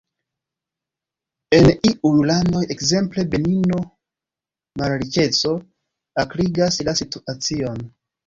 En iuj landoj – ekzemple Benino – malriĉeco akrigas la situacion.